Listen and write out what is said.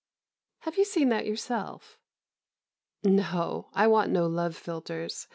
"Have you seen that yourself?" "No. I want no love philtres.